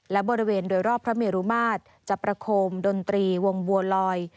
และบริเวณโดยรอบพระเมรุมาตรจะประโคมดนตรีวงบัวลอย